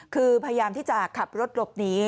คือพยายามที่จะขับรถหลบหนี